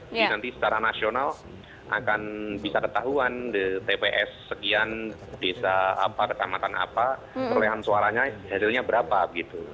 jadi nanti secara nasional akan bisa ketahuan tps sekian desa apa kecamatan apa perolehan suaranya hasilnya berapa gitu